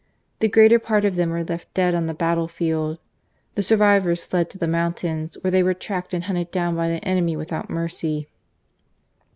The greater part of them were left dead on the battlefield. The survivors fled to the mountains, where they were tracked and hunted down by the enemy without mercy.